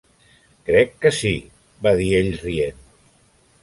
"Crec que sí", va dir ell, rient.